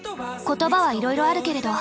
言葉はいろいろあるけれど。